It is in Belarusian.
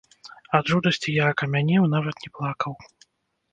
Ад жудасці я акамянеў, нават не плакаў.